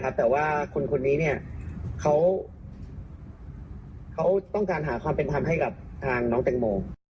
เขาต้องการหาความเป็นธรรมให้กับทางน้องตังโม